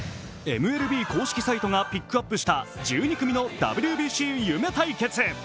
ＭＬＢ公式サイトがピックアップしたＷＢＣ１２組の夢対決。